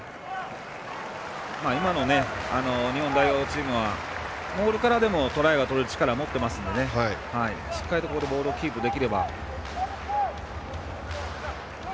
今の日本代表チームはモールからでもトライ取る力を持っていますのでしっかりボールをキープできれば。